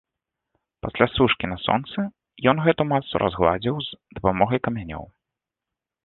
Пасля сушкі на сонцы, ён гэтую масу разгладзіў з дапамогай камянёў.